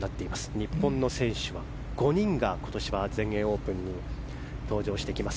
日本の選手は５人が今年は全英オープンに登場してきます。